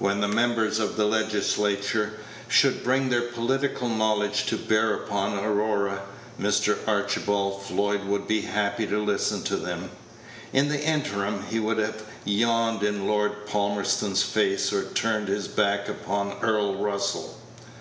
When the members of the Legislature should bring their political knowledge to bear upon Aurora, Mr. Archibald Floyd would be happy to listen to them. In the interim, he would have yawned in Lord Palmerston's face, or turned his back upon Earl Russell.